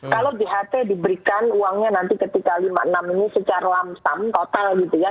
kalau jht diberikan uangnya nanti ketika lima puluh enam ini secara total gitu ya